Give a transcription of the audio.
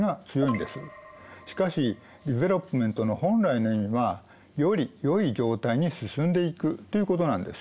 しかしＤｅｖｅｌｏｐｍｅｎｔの本来の意味はより良い状態に進んでいくということなんです。